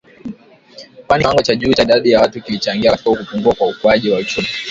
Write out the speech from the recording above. Kwani kiwango cha juu cha idadi ya watu kilichangia katika kupungua kwa ukuaji wa uchumi .